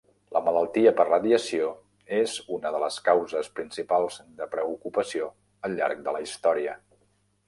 La malaltia per radiació és una de les causes principals de preocupació al llarg de la història.